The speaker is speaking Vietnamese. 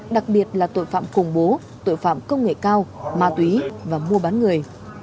đặc biệt là tội phạm khủng bố tội phạm công nghệ cao ma túy và mua bán người